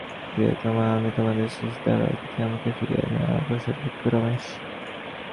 প্রিয়তমে, আমি তোমার হৃদয়ের দ্বারে অতিথি, আমাকে ফিরাইয়ো না–প্রসাদভিক্ষু রমেশ।